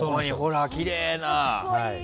きれいな。